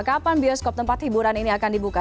kapan bioskop tempat hiburan ini akan dibuka